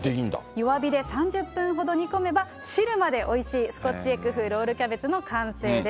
弱火で３０分ほど煮込めば、汁までおいしいスコッチエッグ風ロールキャベツの完成です。